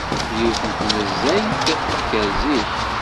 Yiwet n tnezzayt tekker zik.